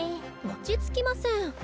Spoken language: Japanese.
落ち着きません。